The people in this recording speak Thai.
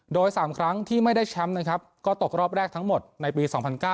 โดย๓ครั้งที่ไม่ได้แชมป์นะครับก็ตกรอบแรกทั้งหมดในปี๒๐๐๙